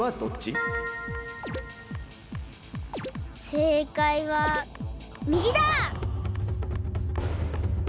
せいかいはみぎだ！